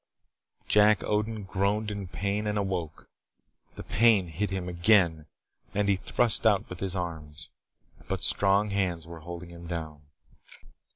Jack Odin groaned in pain and awoke. The pain hit him again and he thrust out with his arms. But strong hands were holding him down.